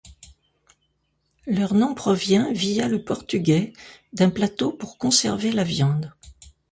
Leur nom provient, via le portugais, d'un plateau pour conserver la viande.